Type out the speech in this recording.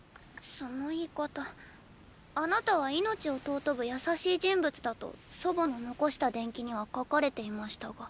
その言い方あなたは命を尊ぶ優しい人物だと祖母の残した伝記には書かれていましたが。